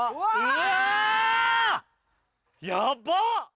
うわ！